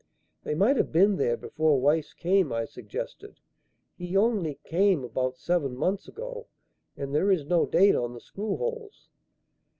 "They might have been there before Weiss came," I suggested. "He only came about seven months ago and there is no date on the screw holes."